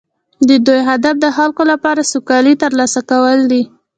د دوی هدف د خلکو لپاره سوکالي ترلاسه کول دي